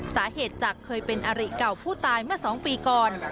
สาเหตุจากเคยเป็นอริเก่าผู้ตายเมื่อ๒ปีก่อน